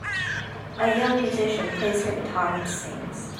A young musician plays her guitar and sings.